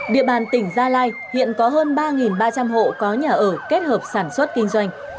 địa bàn tỉnh gia lai hiện có hơn ba ba trăm linh hộ có nhà ở kết hợp sản xuất kinh doanh